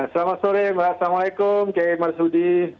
selamat sore assalamualaikum km marsudi